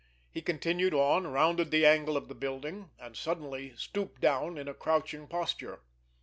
He continued on, rounded the angle of the building, and suddenly stooped down in a crouching posture.